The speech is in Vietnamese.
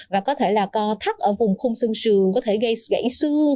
và có thể là co thắt ở vùng khung sương sườn có thể gây gãy sương